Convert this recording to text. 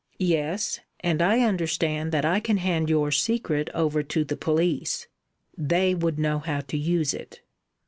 "Yes; and I understand that I can hand your secret over to the police. They would know how to use it."